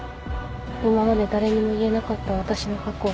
今まで誰にも言えなかった私の過去